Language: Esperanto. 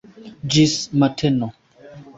Ĝis mateno.